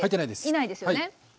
いないですよね。